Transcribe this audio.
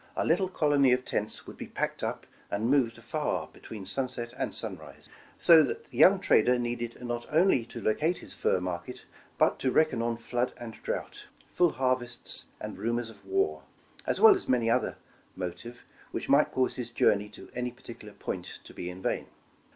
A little colony of tents would be packed up and moved afar between sunset and sunrise; so that the young trader needed not only to iocate his fur market, but to reckon on flood and drought, full harvests and rumors of war, as well as many another motive, which might cause his journey to any particular point to be in vain.